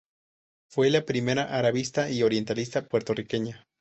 Fue la primera arabista y orientalista puertorriqueña.